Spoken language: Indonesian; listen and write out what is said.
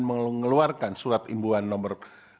mengeluarkan surat imbuan nomor